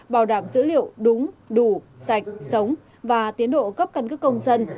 bảo đảm dữ liệu đúng đủ sạch sống và tiến độ cấp cân cấp công dân